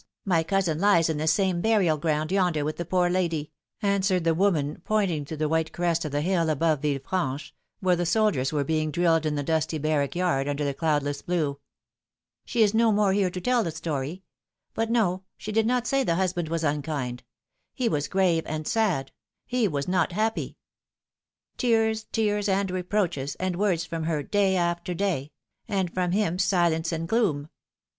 my cousin lies in the same burial ground yonder with the poor lady," answered the woman, pointing to the white crest of the hill above Villefranche, where the soldiers were being drilled in the dusty barrack yard under the cloudless blue. " She is no more here to tell the story. But no, she did not say tha husband was unkind ; he was grave and sad ; he was not happy. Looking Back. 287 Tears, tears and reproaches, sad words from her, day after day ; and from him silence and gloom.